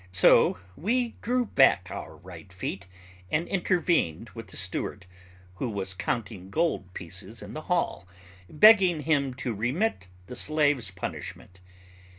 So we drew back our right feet and intervened with the steward, who was counting gold pieces in the hall, begging him to remit the slave's punishment.